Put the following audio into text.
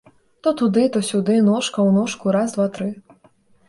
То туды, то сюды, ножка ў ножку, раз, два, тры!